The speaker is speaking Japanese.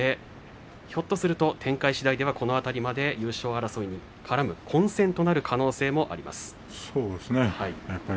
ひょっとすると展開しだいではこの辺りまで優勝争いに絡む混戦となる可能性がありますね。